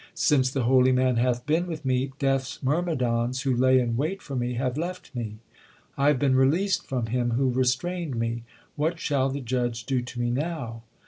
Since the holy man hath been with me, Death s myrmidons, who lay in wait for me, have left me. I have been released from him who restrained me ; what shall the judge do to me now